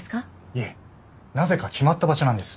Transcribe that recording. いえなぜか決まった場所なんです。